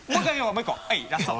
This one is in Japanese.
もう１個はいラスト。